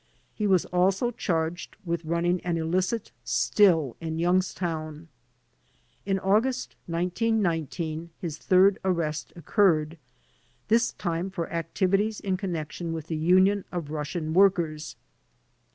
He was also charged with running an illicit still in Youngstown. In August, 1919, his third arrest occurred, this time for activities in connection with the Union of Russian Workers.